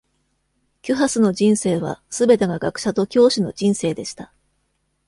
キュハスの人生は、全てが学者と教師の人生でした。